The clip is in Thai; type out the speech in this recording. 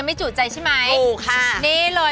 เม็ดบ้านติดเบรด